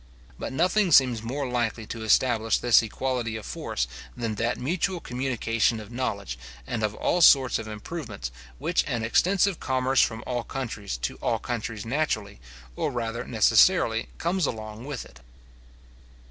But nothing seems more likely to establish this equality of force, than that mutual communication of knowledge, and of all sorts of improvements, which an extensive commerce from all countries to all countries naturally, or rather necessarily, carries along with it.